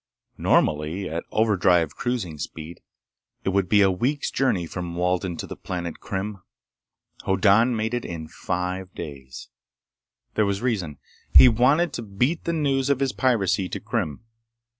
IX Normally, at overdrive cruising speed, it would be a week's journey from Walden to the planet Krim. Hoddan made it in five days. There was reason. He wanted to beat the news of his piracy to Krim.